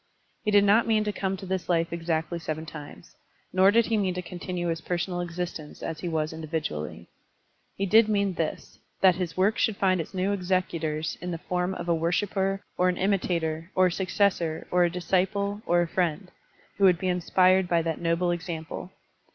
He did not mean to come to this life exactly seven times, nor did he mean to continue his personal existence as he was indi vidually. He did mean this, that his work should find its new executors in the form of a worshiper or an imitator or a successor or a dis ciple or a friend, who wotdd be inspired by that noble example.